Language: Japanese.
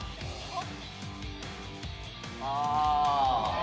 ああ！